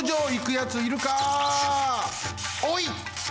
おい！